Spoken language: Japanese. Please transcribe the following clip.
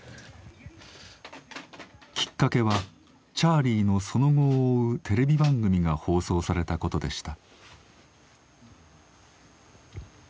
きっかけはチャーリーのその後を追うテレビ番組が放送されたことでした。